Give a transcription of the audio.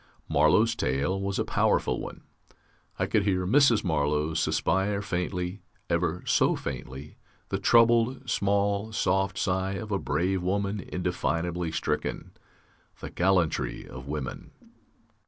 Marlow's tale was a powerful one: I could hear Mrs. Marlow suspire faintly, ever so faintly the troubled, small, soft sigh of a brave woman indefinably stricken. The gallantry of women!